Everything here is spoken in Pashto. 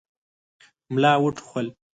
ملا وټوخل.